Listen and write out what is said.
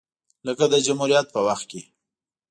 لکه د جمهوریت په وخت کې